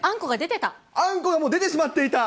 あんこがもう出てしまっていた。